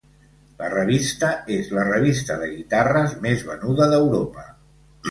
La revista és la revista de guitarres més venuda d'Europa.